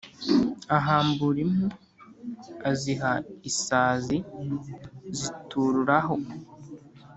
Ahambura impu aziha isazi zitururaho,